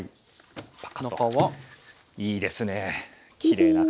いいですね。